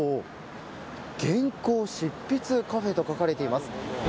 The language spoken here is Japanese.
原稿執筆カフェと書かれています。